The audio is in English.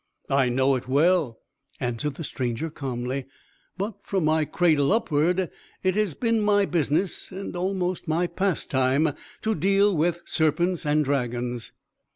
"I know it well," answered the stranger, calmly. "But, from my cradle upward, it has been my business, and almost my pastime, to deal with serpents and dragons."